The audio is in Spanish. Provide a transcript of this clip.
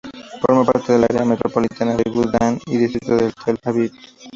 Forma parte del Área metropolitana de Gush Dan y del Distrito de Tel Aviv.